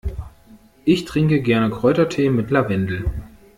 Ich trinke gerne Kräutertee mit Lavendel.